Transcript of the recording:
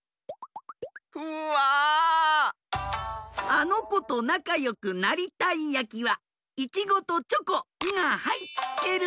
あのことなかよくなりたいやきはイチゴとチョコ・ンがはいってる！